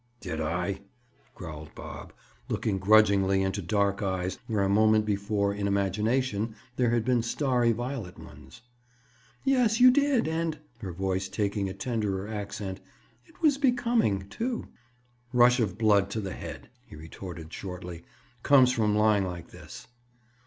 "Did I?" growled Bob, looking grudgingly into dark eyes where a moment before, in imagination, there had been starry violet ones. "Yes, you did. And"—her voice taking a tenderer accent—"it was becoming, too." "Rush of blood to the head," he retorted shortly. "Comes from lying like this."